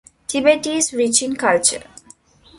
Tibet is rich in culture.